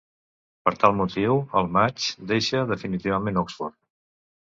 Per tal motiu, al maig, deixa definitivament Oxford.